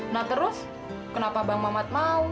nah terus kenapa bang mamat mau